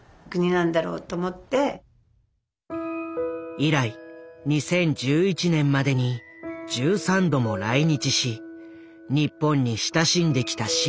以来２０１１年までに１３度も来日し日本に親しんできたシンディ。